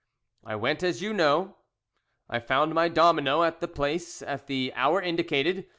"I went as you know. I found my domino at the place at the hour indicated.